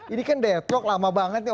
ini kan deadlock lama banget nih